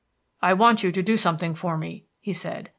"I want you to do something for me," he said.